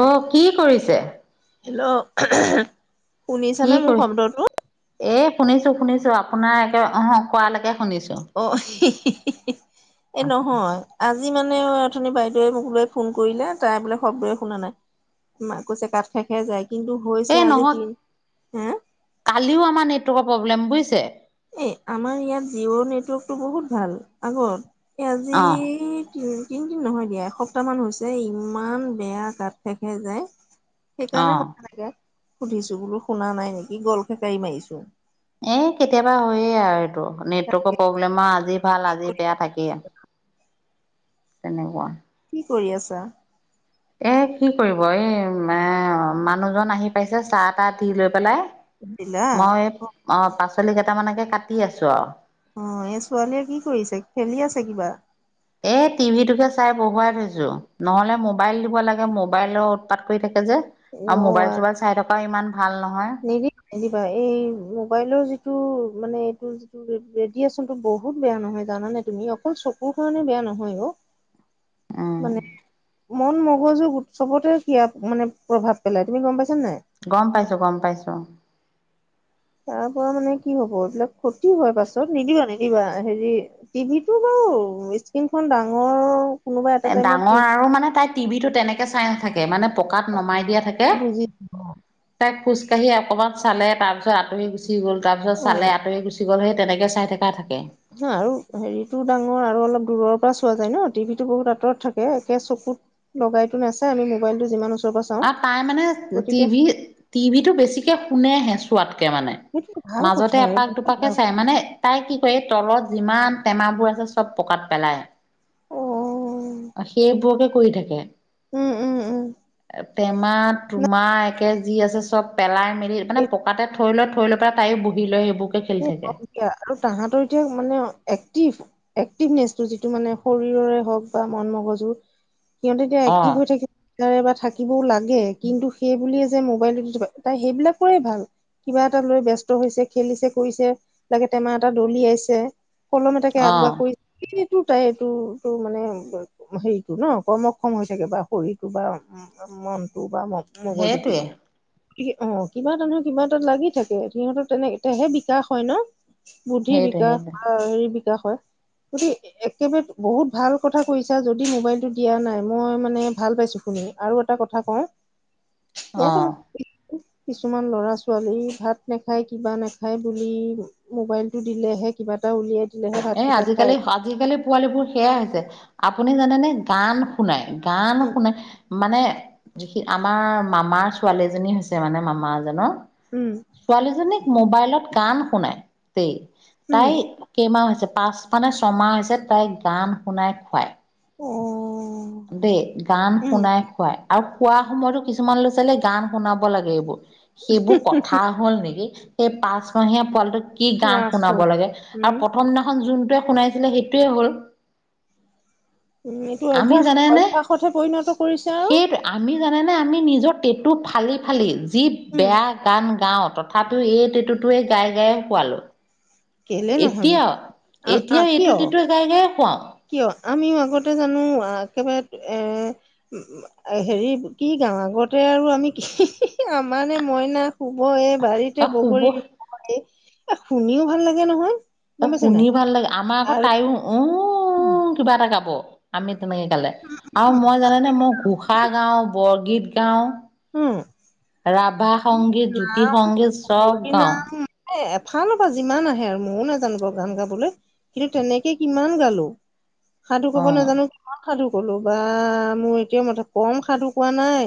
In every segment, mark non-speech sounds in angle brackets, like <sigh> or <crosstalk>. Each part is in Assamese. অ' কি কৰিছে? হেল্ল' কি শুনিছানে মোৰ কৰি শব্দটো? এ শুনিছোঁ শুনিছোঁ আপোনাৰ একে অহক কোৱালৈকে শুনিছোঁ। অ' এই নহয়। আজি মানে অথুনি বাইদেৱে মোক লৈ ফোন কৰিলে তাই বোলে শব্দোৱে শুনা নাই। ম কৈছে কাঠ খাই খাই যায় কিন্তু হৈছে এই আজি নহয় তিনি হা কালিও আমাৰ নেটৱৰ্কৰ প্ৰব্লেম বুজিছে? এ আমাৰ ইয়াত জিঅ' নেটৱৰ্কতটো বহুত ভাল আগত। এ আজি অ' কি তিনিদিন নহয় দিয়া এসপ্তাহ মান হৈছে ইমান বেয়া গাত খেকহে যায়। সেইকাৰণে অ' মই এনেকে সুধিছো বোলো শুনা নাই নেকি গল খেকাৰি মাৰিছোঁ। এই কেতিয়াবা হয়য়ে আৰু এইটো নেটৱৰ্কৰ প্ৰব্লেম আৰু আজি ভাল আজি বেয়া থাকেই। তেনেকুৱা। কি কৰি আছা? এ কি কৰিব এই এ মানুহজন আহি পাইছে চাহ তাহ দি লৈ পেলাই। সুধিলা মই এই অ' পাচলি কেইটামানকে কাটি আছোঁ আৰু। অ' এই ছোৱালীয়ে কি কৰিছে খেলি আছে কিবা? এই টিভিটোকে চাই বহুৱাই থৈছো নহলে মোবাইল দিব লাগে মোবাইলৰ উৎপাত কৰি থাকে যে। আৰু মোবাইল অ চোবাইল চাই থকাও ইমান ভাল নহয়। নিদিবা নিদিবা এই মোবাইলৰ যিটো মানে এইটো ৰেডি আচন টো বহুত বেয়া নহয় জানে তুমি অকল চকুৰ কাৰণে বেয়া নহয় অ'। উম মানে মন মগজু চবতে সিয়া মানে প্ৰভাৱ পেলাই তুমি গম পাইছানে নাই? গম পাইছোঁ গম পাইছোঁ। তাৰ পৰা মানে কি হব এইবিলাক ক্ষতি হয়োৱাৰ পাছত নিদিবা নিদিবা হেৰি টিভি টো বাৰু স্ক্ৰনখন ডাঙৰ কোনোবা এটা টাইমত ডাঙৰ টিভি আৰু মানে তাইক টিভি টো তেনেকে চাই নাথাকে মানে পকাত নমাই দিয়া থাকে বুজি তাই খোজ কাঢ়ি অকমান চালে তাৰ পিছত আতৰি গুচি গুচি গ'ল তাৰ পিছত অ চে আঁতৰি গুচি গ'ল সেই তেনেকে চাই থকা থাকে। হা আৰু হেৰিতো ডাঙৰ আৰু অলপ দূৰৰ পৰা চোৱা যায় ন টিভিটো বহুত আঁতৰত থাকে একে চকুত লগাইতো নচছে আমি মোবাইলটো যিমান ওচৰৰ পৰা চাওঁ আৰু তাই মানে গতিকে টিভি টিভি টো বেছিকে শুনেহে চোৱাতকে মানে। সেইটো ভাল কথা মাজতে এপাক বহুত দুপাকে ভাল চাই মানে তাই কি কৰে এই তলত যিমান টেমাবোৰ আছে চব পকাত পেলায়। অ অ' সেইবোৰকে কৰি থাকে, উম উম উম প্ৰেমা তোমাৰ তাকে যি আছে চব পেলাই মেলি মানে নাই পকাতে থৈ লৈ থৈ লৈ পেলাই তাইও বহি লয় সেইবোৰ সেই হওক দিয়া আৰু তাহাঁতৰ এতিয়া মানে এক্টিভ এক্টিভনেচটো যিটো মানে শৰীৰৰে হওক বা মন মগজু সিহঁতে এতিয়া অ', এক্টিভ হৈ থাকি বা থাকিবও লাগে কিন্তু সেই বুলিয়ে যে মোবাইলটো তাই সেইবিলাকোৰেই ভাল। কিবা এটা লৈ ব ব্যস্ত হৈছে খেলিছে কৰিছে লাকে টেমা এটা দলিয়াইছে কলম এ তাকে আগবাগ অ', কৰিছে। এইটো তাই এইটোটো মানে হেৰিতটো ন কৰ্মক্ষম হৈ চাগে বা শৰীৰটো বা মনটো বা ম মগজুতটো সেইটোৱে অ' কিবা এটা নহয় কিবা এটাাত লাগি থাকে সিহঁতৰ তেনেকহে বি বিকাশ হয় ন, বুদ্ধিৰ সেইটোৱে বিকাশ সেইটোৱে বা হেৰিৰ বিকাশ হয় গটি একেবাৰে বহুত ভাল কথা কৈছা যদি মোবাইলটো দিয়া নাই মই মানে ভাল পাইছো শুনি। আৰু এটা কথা কওঁ। ইয়াতে অ'। মানে কিছুমান লৰা ছোৱালী ভাত নাখায় কিবা নাখায় বুলি মোবাইল টো দিলেহে কিবা এটা উলিয়াই দিলেহে এ ভাতকেইটা খায়। আজিকালি আজিকালি পোৱালীিবোৰ সেয়া হৈছে আপুনি জানেনেে গান শুনাই গান উম, শুনাই মানে যি আমাৰ মামাৰ ছোৱালীজনী হৈছে মানে মামাজনৰ উম, ছোৱালীজনীক মোবাইলত গান শুনাই দেই উম তাই কেইমাহ হৈছে যে পাঁচ মানে ছমাহ হৈছে তাই গান শুনাই খুৱায় অ দেই গান উম। শুনাই খুৱাই আৰু খোৱা সময়তো কিছুমান ল'ৰা ছোৱালীয়ে গান শুনাব লাগে এইবোৰ সেইবোৰ কথা হ'ল নেকি সেই পাঁচমহীয়া পোৱালটোোক কি গান শুনাব চোৱাচোন লাগে উম, আৰু প্ৰথম দিনাখন যোনটোৱে শুনাইছিলে সেইটোোৱে হ'ল উম এইটো আমি অভ্যাস জানেনে অভ্যাসত হে পৰিণত কৰিছে আৰু সেই আমি জানেনে আমি নিজৰ টেটু ফালি ফালি যি উম, বেয়া গান গাওঁ ত তথাপি এই টতুটোৱে গাই গায়ে শোৱালোঁ কেলে নহনো এতিয়াও এইটো কিয় টেটুৱে গাই গায়ে শুৱাও কিয় আমিও আগতে জানো একেবাৰে এ হেৰি কি গাও আগতে আৰু আমি কি আমাৰে মইনা শুব এই বাৰীত বা শুব বগৰী এ শুনিও ভাল লাগে নহয় তই গম পাইছে নাই শুনি ভাল লাগে আমাৰ আকৌ আৰু তাইও উ কিবা এটা গাব আমি তেনেকে গালে আৰু মই জানে নে মই ঘোষা গাওঁ বৰগীত গাওঁ উম ৰাভা সংগীত জ্যোতি সংগীত চব গাও এ এফালৰ পৰা যিমান আহে আৰু ময়ো নাজানো গান গাবলৈ কিন্তু তেনেকে কিমান গালো সাধু অ কব নাজানো কিমান সাধু কলো বা মোৰ এতিয়া মঠ কম সাধু কোৱা নাই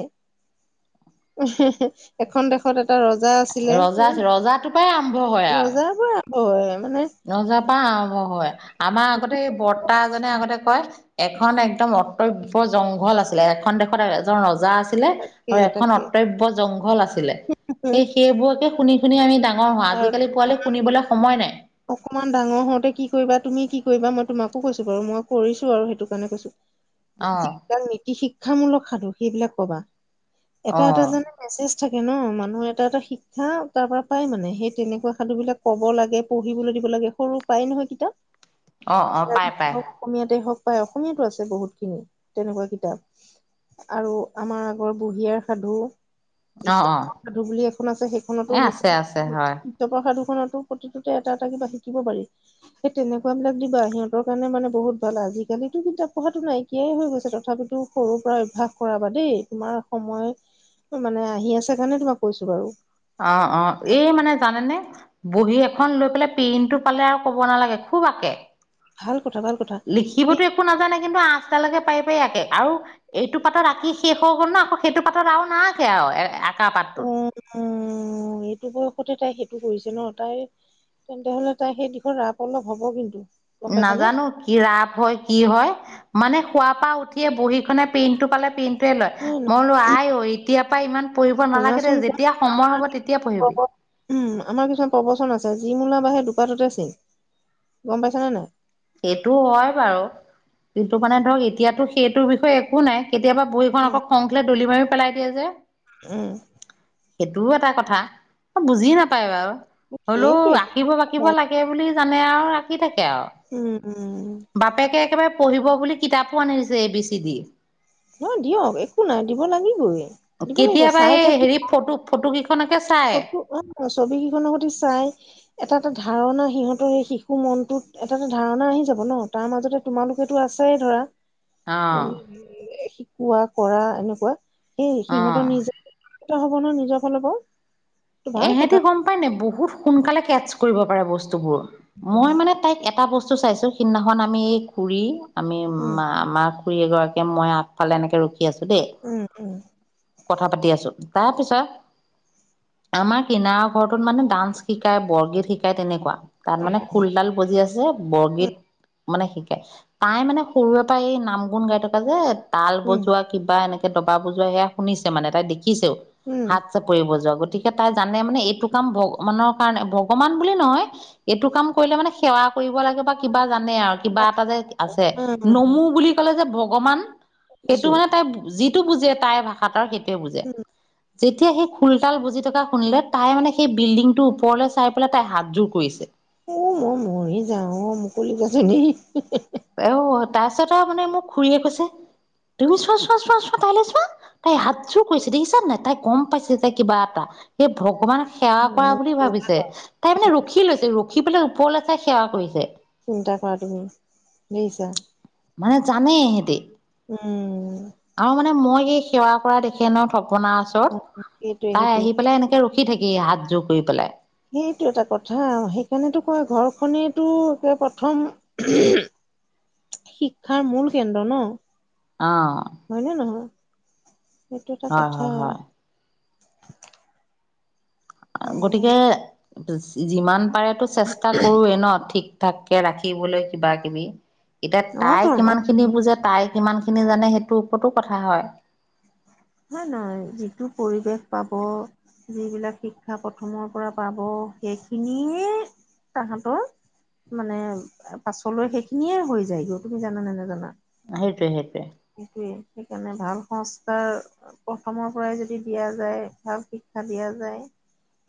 এখন দেশত এটা ৰজা আছিলে ৰজা ৰজাটোৰ পৰাই আৰম্ভ ৰজা পৰা হয় মানে নজা পা আৰম্ভ হয় আমাৰ আগতে এই বৰ্তা এজনে আগতে কয় এখন একদম অতব্য় জংঘল আছিলে এখন দেশত এজন ৰজা আছিল আৰু তাকে এখন তাকে অ্তব্য জংঘল আছিলে সেই সেইবোৰকে শুনি শুনি আমি ডাঙৰ হোৱা আজিকালি পোৱালি শুনিবলৈ সময় নাই অকনমান ডাঙৰ হওঁতে কি কৰিবা তুমি কি কৰিবা মই তোমাকো কৈছো বাৰু মই কৰিছো আৰু সেইটো কাৰণে কৈছো অ এইাক নীতি শিক্ষামূলক সাধু সেইবিলাক কবা এটা অ এটা জানে মেছেজ থাকে ন মানুহৰ এটা এটা শিক্ষা তাৰ পৰা পাই মানে সেই তেনেকুৱা সাধু বিলাক ক'ব লাগে পঢ়িবলৈ দিব লাগে সৰু পায় নহয় কিতাপ অ অ হ পাই পাই অসমীয়াতে হওক বা অসমীয়াাতো আছে বহুত খিনি। তেনেকুৱা কিতাপ আৰু আমাৰ আগৰ বুঢ়িয়াৰ সাধু অ অ ঈশ্বৰ সাধু বুলি এখন আছে সেইখনতো এ আছে আছে হয় প্ৰসাধুখনতো প্ৰতিটোতে এটা এটা কিবা শিকিব পাৰি। সেই তেনেকুৱ বিলাক দিবা সিহতৰ কাৰণে মানে বহুত ভাল আজিকালিতো কিতাপ পঢ়াো নাই কিয়াই হৈ গৈছে তথাপিতো সৰুৰ পৰা অভ্যয়াস কৰাবা দেই তোমাৰ সময় মানে আহি আছে কাৰণে তোমাক কৈছো বাৰু অ', অ' এই মানে জানে নে বহী এখন লৈ পেলাই পেইনটো পালে আৰু ক'ব নালাগে খুব আঁকে। ভাল কথা ভাল কথা লিখিবতো সেই একো নাজানে কিন্তু আঞ্চ দালকে পাৰি পাৰি আঁকে আৰু এইটো পাতত আঁকি শেষ হৈ গল ন আকৌ সেইটো পাতত আৰু নাৰকে আৰু আঁকা পাতটোত উ' এইটো বয়সতে তাই সেইটো কৰিছে ন তাই তেন্তে হলে তাই সেই দিশৰ ৰাপ অলপ হ'ব কিন্তু। গম পাইছানে নাজানো কি ৰাপ হয় কি হয় মানে সোৱাপা উঠিয়ে বহীখনে পেইনটো পালে পেইন টোএ লয় ন মই বোলো আই অ এতিয়াৰ পৰা ইমান পঢ়িব নালাগে দে শুনাচোন যেতিয়া সময় হব তেতিয়া পঢ়িবি। প্ৰব- উম' আমাৰ কিছুমান প্ৰবচন আছে যি মূলা বাাহে দুপাতটোতে চিন গম পাইছা নে নাই? সেইটো হয় বাৰু কিন্তু মানে ধৰক এতিয়াতো সেইটোৰ বিষয়ে একো নাই কেতিয়াবা বহি খন উম, আকৌ খং উঠিলে দলি মাৰিও পেলাই দিয়ে যে অ' সেইটোও এটা কথা বুজি নাপায় বাৰু হলেও সেইটোৱে আঁকিব বাকিব লাগে বুলি জানে আৰু আঁকি থাকে আৰু উম' বাপেকে একেবাৰে পঢ়িব বুলি কিতাপো আনিছে এ বি চি দি। নহয় দিয়ক একো নাই দিব লাগিবই দিব লাগিব কেতিয়াবা চাই এই থাকি হেৰি ফটো ফটো কিখন খনকে চাই ফটো অ' ছবি কেইখনৰ সৈতে চাই এটা এটা ধাৰণা সিহঁতৰ এই শিশু মনটোত এটা এটা ধাৰণা আহি যাব ন তাৰ মাজতে তোমালোকেতো আছেইে ধৰা। অঁ' কোৱা কৰা এনেকুৱা সেই অ সিহঁতৰ নিজে হব ন নিজৰ ফালৰ পৰাও ভাল এহেঁতি কথা গম পাই নাই বহুত সোনকালে কেটছ কৰিব পাৰে বস্তুবোৰ। মই উম, মানে তাইক এটা বস্তু চাইছো সিদিনাখন আমি এই খুুৰী আমি উম, আমাৰ খুৰী এগৰাকীয়ে মই আগফালে এনেকে ৰখি আছো দেই উম, উম, কথা পাতি আছো তাৰ পিছত আমাৰ কিনাৰ ঘৰৰটোত মানে ডান্স শিকায় বৰগীত শিকায় তেনেকুৱা তাত অ', মানে খোলতাল বজি আছে যে উম, বৰগীত মানে শিকাই তাই মানে সৰুৰে পৰা এই নাম গুণ গাই থকা যে তাল উম। বজোৱা কিবা এনেকে দবা বজোৱা সেয়া শুনিছে মানে তাই দেখিছেও উম, হাত চাপৰিব যোৱা গ তাই জানে মানে এইটো কাম ভগৱানৰ কাৰণে ভগৱান বুলি নহয় এইটো কাম কৰিলে মানে সেৱা কৰিব লাগে বা কিবা জানে আৰু কিবা এটা যে আছে নমু বুলি কলে যে ভগৱান সেইটো দিছো মানে তাই- যিটো বুজে তাইৰ ভাষাত আৰু সেইটোোৱে বুজে উম, যেতিয়া সেই খোলতাল বজি থকা শুনিলে তাই মানে সেই বিল্ডিংটোৰ ওপৰলৈ চাই পেলাই তাই হাতযোৰ কৰিছে। অ' মই মৰি যাও অ মুকলিকেজনি অ' তাৰপিছত আৰু মানে মোক খুুৰীয়ে কৈছে তুমি চোৱা চোৱা চোৱা চোৱা তাইলৈ চোৱা। তাই হাতযোৰ কৰিছে দেখিছা নাই তাই গম পাইছে তাই কিবা এটা এই ভগৱানে সেৱা কৰা বুলি চিন্তা ভাৱিছে কৰা, তাই মানে ৰখি লৈছে ৰখি পেলাই ওপৰলৈ চাই সেৱা কৰিছে চিন্তা কৰা তুমি <unintelligible> মানে জানে এহেতে উম আৰু মানে মই এই সেৱা কৰা দেখে ন থপনা ওচৰত উম, সেইটোৱে, তাই সেইটোৱে। আহি পেলাই এনেকে <unintelligible> ৰখি থাকেহি হাত জোৰ কৰি পেলাই সেইটো এটা কথা সেইকাৰণেতো কয় ঘৰখনেইতো একে প্ৰথম শিক্ষাৰ মূল কেন্দ্ৰ ন অ হয়নে নহয় এইটো এটা হয় কথা হয় হয় অ, গতিকে যিমান পাৰেতো চেষ্টা কৰোৱেই ন ঠিক থাককে ৰাখিবলৈ কিবা কিবি এতিয়া অ, তাই তোন কিমানখিনি বুজাত তাই কিমানখিনি জানে সেইটোৰ ওপৰতো কথা হয় নাই নাই যিটো পৰিৱেশ পাব যিবিলাক শিক্ষা প্ৰথমৰ পৰা পাব সেইখিনিয়েই তাহাঁতৰ মানে পাছলৈ সেইখিনিয়ে হৈ যায়গৈ তুমি জানা নে নাজানা সেইটোৱে, সেইটোৱে। সেইটোৱেই, সেইকাৰণে ভাল সংস্কাৰ প্ৰথমৰ পৰাই যদি দিয়া যায়, ভাল শিক্ষা দিয়া যায়,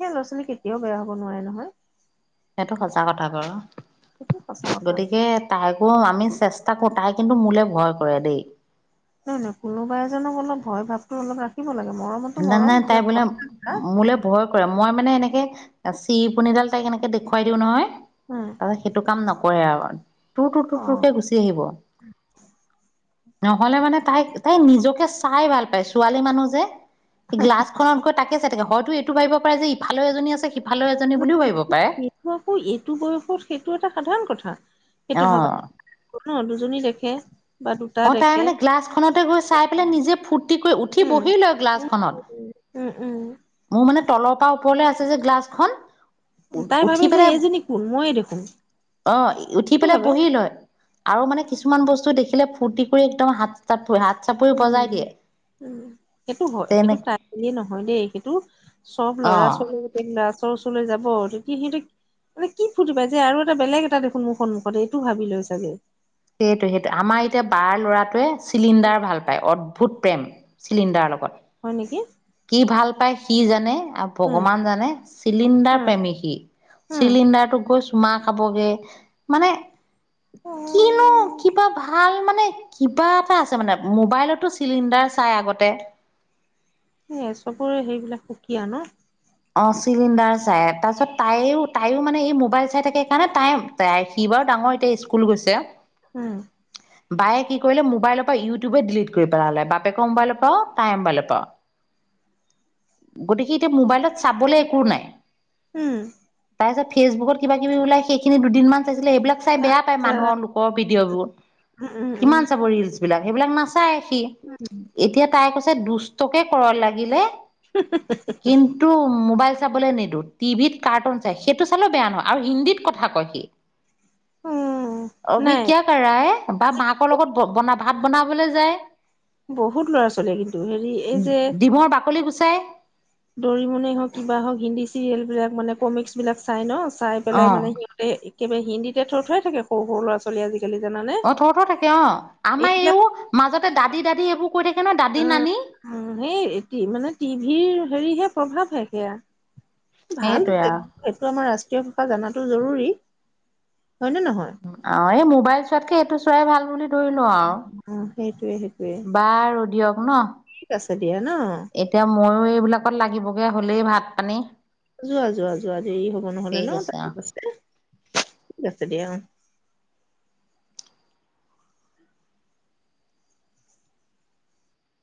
সেই ল'ৰা ছোৱালী কেতিয়াও বেয়া হ'ব নোৱাৰে নহয়। সেইটো সঁচা কথা বাৰু, সেইটো সঁচা কথা গতিকে তাইকো আমি চেষ্টা কৰোঁ, তাই কিন্তু মোলে ভয় কৰে দেই। নয় নয় কোনোবা এজনক অলপ ভয় ভাৱটো অলপ ৰাখ খিব লাগে মৰমতো জানে মৰম তাই যে বোলে মোলে <unintelligible> ভয় মই মানে এনেকে চিৰিপনিডাল তাইক এনেকে দেখুৱাই দিওঁ নহয়, উম তাপা সেইটো কাম নক কৰে আৰু টুৰ, টুৰ, টুৰ, অ টুৰকে গুচি আহিব। নহ'লে মানে তাই, তাই তাই নিজকে চাই ভাল পায়। ছোৱালী মানুহ যে গ্লাছখনত গৈ তাকে চাই থা। হয়তো এইটো ভাবিব পাৰে যে ইফালেও এজনী আছে, সিফালেও এজনী বুলিও ভাৱিব পাৰে। সেইটো আকৌ এইটো বয়সত সেইটো এটা সাধাৰণ কথা অ সেইটো ভাবা <unintelligible> দুজনী দেখে বা দুটা অ' তাই দেখে মানে গ্লাছখনতে গৈ চাই পেলাই, নিজে ফূৰ্তি কৰি উঠি উম বহি লয় উম গ্লাছখনত। উম উম, উম, মোৰ মানে তলৰ পৰা ওপৰলে আছে যে গ্লাছখন উ তাই ভাবে উঠি যে পেলাই, এইজনী কোন মইয়ে দেখোন অ, উঠি সেইটো পেলাই ভাবে। বহি লয়। আৰু মানে কিছুমান বস্তু দেখিলে ফূৰ্তি কৰি একদম হাত <unintelligible> হাত চাপ পৰি বজাই দিয়ে। উম, উম সেইটো হয়। তেনে সেইটো তাই বুলিয়ে নহয় দেই, সেইটো চব ল'ৰা অ ছোৱালীৰে গ্লাছৰ ওচৰলৈ যাব, যদি সিহঁতক মানে কি ফুৰ্তি পায় যে আৰু এটা বেলেগ এটা দেখোন মোৰ সন্মুখত এইটো ভাবি লৈ চাগে! সেইটোয়ে, সেইটোয়ে, আমাৰ এতিয়া বাৰ ল'ৰাটোৱে চিলিণ্ডাৰ ভাল পায়, অদ্ভুত প্ৰেম। চিলিণ্ডাৰৰ লগত হয় নেকি! কি ভাল পায় সি জানে, আৰু উম ভগৱান জানে, চিলিণ্ডাৰ উম প্ৰেমী সি, উম চিলিণ্ডাৰ তোক গৈ <unintelligible> চুমা খাবগে। মানে, কিনো অ', কিবা ভাল মানে কিবা এটা আছে মানে, মোবাইলতো চিলিণ্ডাৰ চাই আগতে হেইয়া, চবৰে হেৰিবিলাক সুকীয়া ন! অ চিলিণ্ডাৰ চায়। তাৰছত, তাইয়ো, তাইয়ো মানে এই মোবাইল চাই থাকে কাৰণে তাই <unintelligible> সি বাৰু ডাঙৰ, এতিয়া স্কুল গৈছে। উম। বায়ে কি কৰিলে, মোবাইলৰ পৰা ইউটিউবে ডিলিট কৰি পেলালে। বাপেকৰ মোবাইলৰ পৰাও, তাইৰ মোবাইলৰ পৰাও। <inaudible> গতিকে, সি এতিয়া মোবাইলত চাবলৈ একো নাই। উম। তাৰ পিছত ফেচবুকত কিবাকিবি ওলায়, সেইখিনি দুদিনমান চাইছিলে, এইবিলাক চাই বেয়া পায়, আচ্ছা মানুহৰ-লোকৰ ভিডিঅ'বোৰ। উম উম উম কিমান চাব ৰিলচবিলাক! সেইবিলাক নাচায় সি। উম। এতিয়া তাই কৈছে, দুষ্টকে কৰক লাগিলে, কিন্ত -ন্তু মোবাইল চাবলৈ নিদিওঁ। টিভিত কাৰ্টুন চায়। সেইটো চালেও বেয়া নহয় আৰু হিন্দীত কথা কয় সি। <inaudible> উম, অভি নাই ক্যা কৰ ৰহা হ্যা? বা মাকৰ লগত বনা- ভাত বনাবলে যায়। বহুত ল'ৰা ছোৱালীয়ে কিন্তু হেৰি এই ডিমৰ বাকলি গুচায়। ড'ৰিমনে হওক কিবা হওক, হিন্দী চিৰিয়েলবিলাক মানে ক'মিক্স বিলাক চায় ন', চাই অ পেলাই মানে সি এ-একেবাৰে হিন্দীতে থও-থওৱাই থাকে সৰু সৰু ল'ৰা-ছোৱালী আজি কালি জানানে? অ' ওঁঠতে থাকে অ'। আমাৰ এইবিলাক এইয়ো মাজতে দাদী, দাদী এইবোৰ কৈ থাকে নহয়, অ দাদী-নানী। উম, সেই মানে টিভিৰ হেৰিহে প্ৰভাৱহে সেয়া। ভাল সেইটোৱে হৈছে আৰু <unintelligible> সেইটো আমাৰ ৰাষ্ট্ৰীয় ভাষা জানাতো জৰুৰী। হয় নে নহয়? অ', এই মোবাইল চোৱাতকে, এইটো চোৱাই ভাল বুলি অ সেইটোয়ে সেইটোয়ে বাৰু দিয়ক ন'। ঠিক আছে দিয়া ন এতিয়া ময়ো এইবিলাকত লাগিবগৈ হ'লেই, ভাত পানী যোৱা, যোৱা, যোৱা দেৰি হ'ব নহ'লে ঠিক ন'। <unintelligible> আছে অ ঠিক আছে দিয়া অ'।